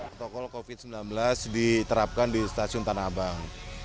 protokol covid sembilan belas diterapkan di stasiun tanah abang